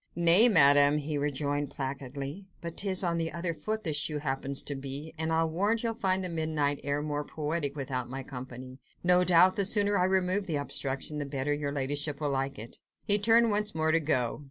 "Nay, Madame," he rejoined placidly, "but 'tis on the other foot the shoe happens to be, and I'll warrant you'll find the midnight air more poetic without my company: no doubt the sooner I remove the obstruction the better your ladyship will like it." He turned once more to go.